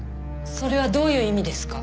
それはどういう意味ですか？